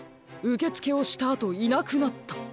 うけつけをしたあといなくなった？